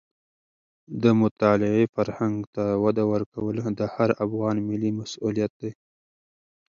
د مطالعې فرهنګ ته وده ورکول د هر افغان ملي مسوولیت دی.